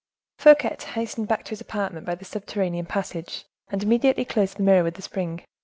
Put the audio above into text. Fouquet hastened back to his apartment by the subterranean passage, and immediately closed the mirror with the spring.